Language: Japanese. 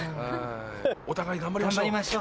お互い頑張りましょう！